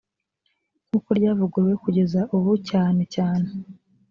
nk uko ryavuguruwe kugeza ubu cyane cyane